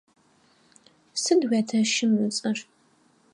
Сыд уятэщым ыцӏэр?